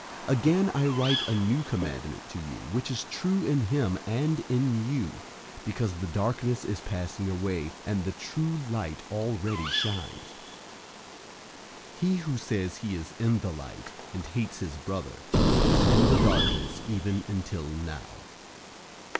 002:008 Again, I write a new commandment to you, which is true in him and in you; because the darkness is passing away, and the true light already shines. 002:009 He who says he is in the light and hates his brother, is in the darkness even until now.